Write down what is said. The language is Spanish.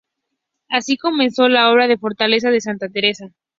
Así comenzó la obra de la Fortaleza de Santa Teresa.